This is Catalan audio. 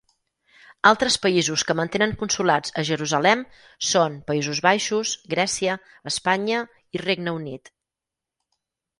Altres països que mantenen consolats a Jerusalem són Països Baixos, Grècia, Espanya i Regne Unit.